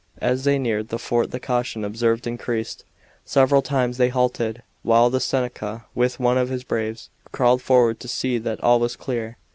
As they neared the fort the caution observed increased. Several times they halted, while the Seneca, with one of his braves, crawled forward to see that all was clear.